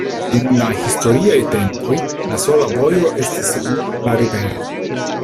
Dum la historiaj tempoj la sola vojo estis nur la rivero.